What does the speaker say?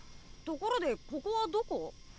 ところでここはどこ？